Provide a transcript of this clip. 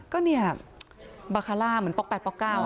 ก็นี่บาคาราเหมือนป๊อกแป๊กป๊อกก้า